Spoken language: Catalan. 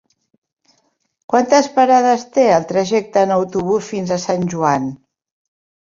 Quantes parades té el trajecte en autobús fins a Sant Joan?